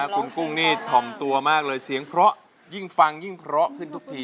คุณกุ้งนี่ถอดธรรมตัวมากเลยเสียงเพราะยิ่งเพราะขึ้นทุกที